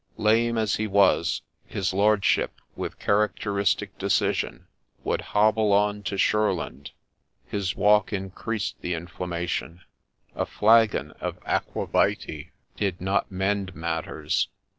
Larne as he was, his lordship, with characteristic decision, would hobble on to Shurland ; his walk increased the inflammation ; a flagon of aqua vitae did not mend matters.